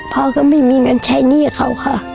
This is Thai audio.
พ่อก็ไม่มีเงินใช้หนี้กับเขาค่ะ